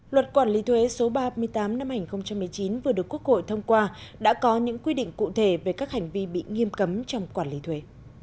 luật quản lý thuế số ba mươi tám năm hai nghìn một mươi chín vừa được quốc hội thông qua đã có những quy định cụ thể về các hành vi bị nghiêm cấm trong quản lý thuế